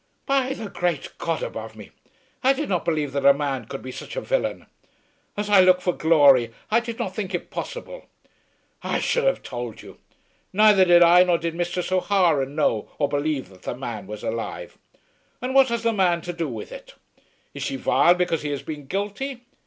"By the great God above me, I did not believe that a man could be such a villain! As I look for glory I did not think it possible! I should have tould you! Neither did I nor did Mistress O'Hara know or believe that the man was alive. And what has the man to do with it? Is she vile because he has been guilty?